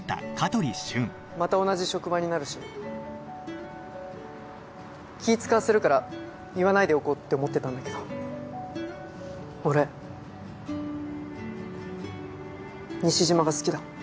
また同じ職場になるし気使わせるから言わないでおこうって思ってたんだけど俺西島が好きだ。